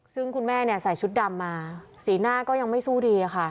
ซึ่งคุณแม่เนี่ยใส่ชุดดำมาสีหน้าก็ยังไม่สู้ดีค่ะ